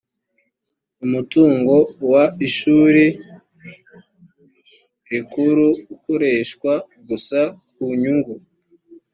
umutungo wa ishuri rikuru ukoreshwa gusa ku nyungu